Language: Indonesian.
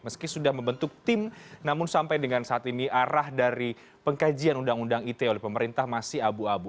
meski sudah membentuk tim namun sampai dengan saat ini arah dari pengkajian undang undang ite oleh pemerintah masih abu abu